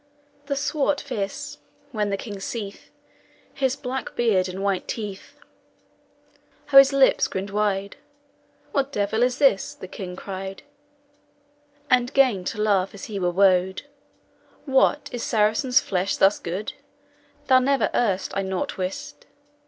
"The swarte vis [Black face] when the king seeth, His black beard and white teeth, How his lippes grinned wide, 'What devil is this?' the king cried, And 'gan to laugh as he were wode. 'What! is Saracen's flesh thus good? That never erst I nought wist!